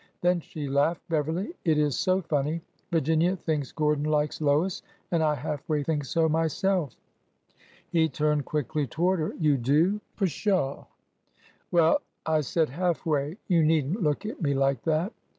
Then she laughed. " Beverly, it is so funny ! Virginia thinks Gordon likes Lois. And I half way think so myself." He turned quickly toward her. You do ! Pshaw 1 "'' Wellj I said half way. You need n't look at me like that!"